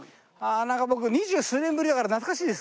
なんか僕二十数年ぶりだから懐かしいです。